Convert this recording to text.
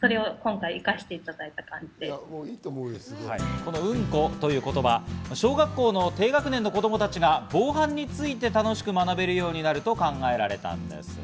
このうんこという言葉、小学校の低学年の子供たちが防犯について楽しく学べるようになると考えられたのです。